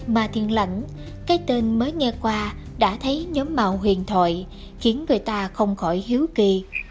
ma thiên lãnh cái tên mới nghe qua đã thấy nhóm mạo huyền thoại khiến người ta không khỏi hiếu kỳ